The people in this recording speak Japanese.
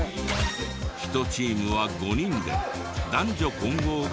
１チームは５人で男女混合が決まり。